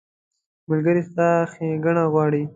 ملګری ستا ښېګڼه غواړي.